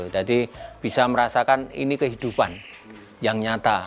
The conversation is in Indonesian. jadi bisa merasakan ini kehidupan yang nyata